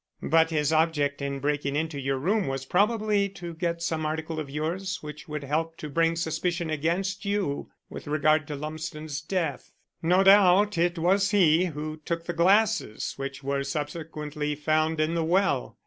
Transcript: "But his object in breaking into your room was probably to get some article of yours which would help to bring suspicion against you with regard to Lumsden's death. No doubt it was he who took the glasses which were subsequently found in the well.